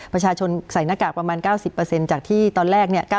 ประชาชนใส่หน้ากากประมาณ๙๐จากที่ตอนแรกเนี่ย